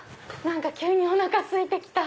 急におなかすいて来た。